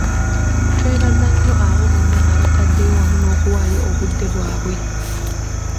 Twebaza nnyo abo bonna abateddeyo wamu n’okuwaayo obudde bwabwe.